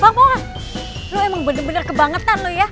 bang bunga lo emang bener bener kebangetan lo ya